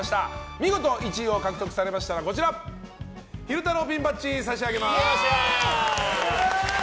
見事１位を獲得されましたら昼太郎ピンバッジを差し上げます。